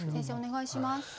先生お願いします。